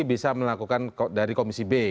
bisa melakukan dari komisi b